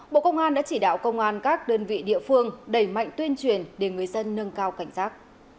bộ công an đã chỉ đạo công an các đơn vị địa phương đẩy mạnh tuyên truyền để người dân nâng cao cảnh giác